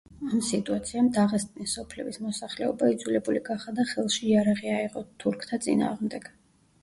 ამ სიტუაციამ დაღესტნის სოფლების მოსახლეობა იძულებული გახადა ხელში იარაღი აეღოთ თურქთა წინააღმდეგ.